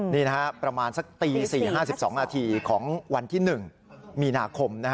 นี่นะครับประมาณสักตี๔๕๒นาทีของวันที่๑มีนาคม